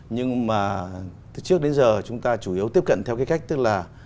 nhưng mà trước đến giờ chúng ta chủ yếu tiếp cận theo cái cách tức là